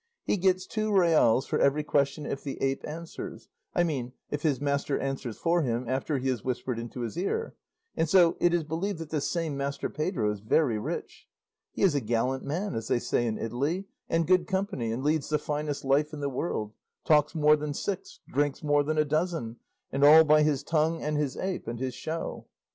He gets two reals for every question if the ape answers; I mean if his master answers for him after he has whispered into his ear; and so it is believed that this same Master Pedro is very rich. He is a 'gallant man' as they say in Italy, and good company, and leads the finest life in the world; talks more than six, drinks more than a dozen, and all by his tongue, and his ape, and his show."